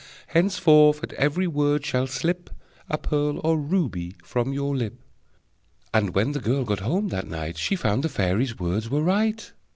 Henceforth at every word shall slip A pearl or ruby from your lip!" And, when the girl got home that night, She found the fairy's words were right!